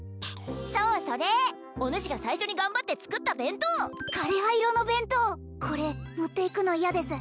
そうそれおぬしが最初に頑張って作った弁当枯れ葉色の弁当これ持っていくの嫌です